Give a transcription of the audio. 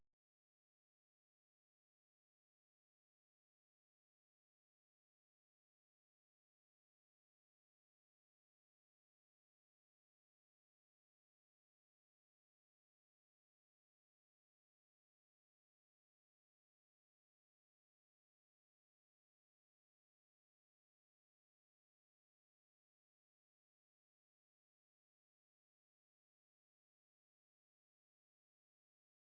โปรดติดตามต่อไป